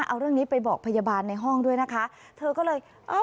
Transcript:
เอาเรื่องนี้ไปบอกพยาบาลในห้องด้วยนะคะเธอก็เลยเอ้า